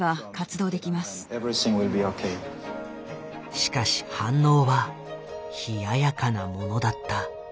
しかし反応は冷ややかなものだった。